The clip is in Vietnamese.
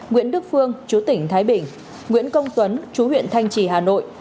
nguyễn đức phương chú tỉnh thái bình nguyễn công tuấn chú huyện thanh trì hà nội